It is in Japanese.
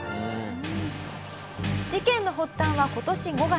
事件の発端は今年５月。